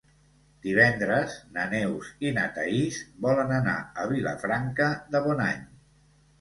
Divendres na Neus i na Thaís volen anar a Vilafranca de Bonany.